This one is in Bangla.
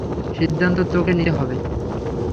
সিদ্ধান্ত তোকে নিতে হবে!